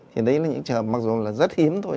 thì đấy là những trường mặc dù là rất hiếm thôi